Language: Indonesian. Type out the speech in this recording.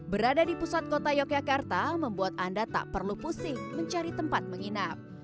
berada di pusat kota yogyakarta membuat anda tak perlu pusing mencari tempat menginap